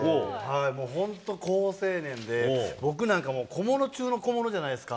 もう本当好青年で、僕なんか小物中の小物じゃないですか。